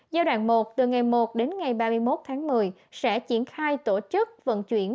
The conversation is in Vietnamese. giai đoạn một từ ngày một đến ngày ba mươi một tháng một mươi sẽ triển khai tổ chức vận chuyển